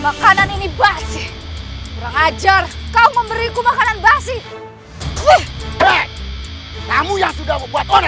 makanan ini basi orang ajar kau memberiku makanan basi kamu yang sudah membuat oner